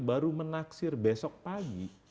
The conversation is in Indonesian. baru menaksir besok pagi